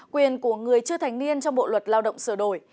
quyền của người chưa thành niên trong bộ luật lao động sửa đổi